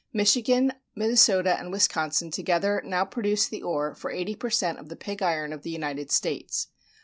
Michigan, Minnesota, and Wisconsin together now produce the ore for eighty per cent of the pig iron of the United States.